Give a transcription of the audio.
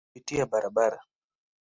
Pia kupitia barabara.